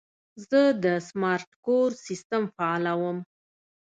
زه د سمارټ کور سیسټم فعالوم.